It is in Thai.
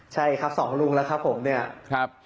ใช่ครับสองลุงแล้วครับผมเนี่ย